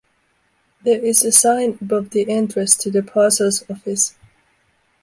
There is a sign above the entrance to the parcels office.